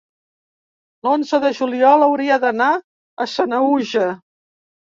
l'onze de juliol hauria d'anar a Sanaüja.